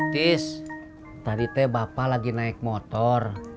tis tadi teh bapak lagi naik motor